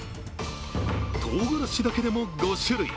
とうがらしだけでも５種類。